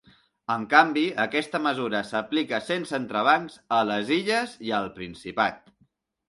En canvi, aquesta mesura s’aplica sense entrebancs a les Illes i al Principat.